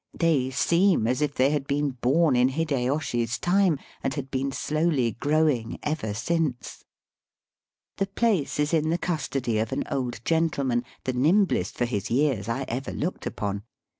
They seem as if they had Digitized by VjOOQIC 84 EAST BY WEST. been bom in Hideyoshi's time, and had been slowly growing ever since. / The place is in the custody of an old gentleman, the nimblest for his years I ever looked upon.